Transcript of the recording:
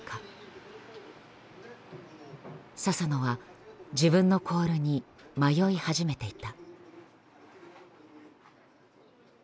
佐々野は自分のコールに迷い始めていた。